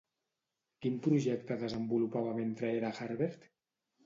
Quin projecte desenvolupava mentre era a Harvard?